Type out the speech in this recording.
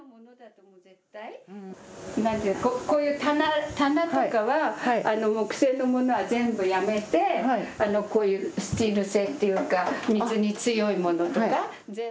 こういう棚とかは木製のものは全部やめてスチール製ていうか水に強いものとか。